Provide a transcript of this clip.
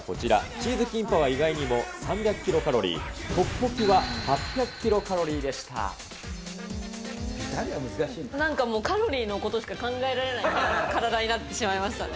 チーズキンパは意外にも３００キロカロリー、トッポッキは８００なんかもう、カロリーのことしか考えられない体になってしまいましたね。